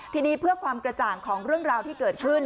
ทีนี้เพื่อความกระจ่างของเรื่องราวที่เกิดขึ้น